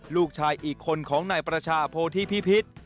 ลูกชายอีกคนของนายประชาโพธิพิพิษ